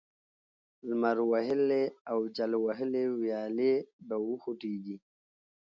لمر وهلې او جل وهلې ويالې به وخوټېږي،